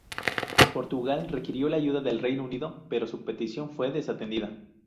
Portugal requirió la ayuda del Reino Unido, pero su petición fue desatendida.